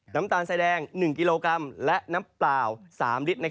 น้ำตาลทรายแดง๑กิโลกรัมและน้ำเปล่า๓ลิตร